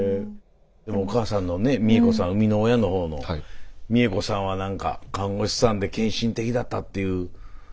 お母さんの美枝子さん産みの親の方の美枝子さんは看護師さんで献身的だったっていう。